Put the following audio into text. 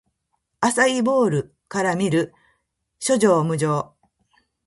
アサイーボウルから見る！諸行無常